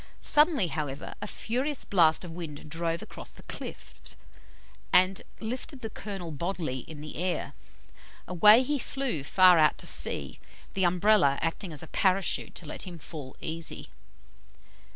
Suddenly, however, a furious blast of wind drove across the cliff, and lifted the Colonel bodily in the air. Away he flew far out to sea, the Umbrella acting as a Parachute to let him fall easy.